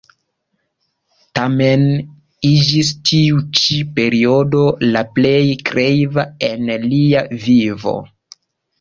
Tamen iĝis tiu ĉi periodo la plej kreiva en lia vivo.